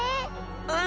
うん。